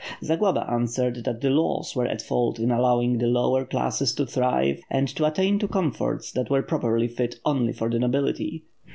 Zagloba answered that the laws were at fault in allowing the lower classes to thive and to attain to comforts that were properly fit only for the nobility.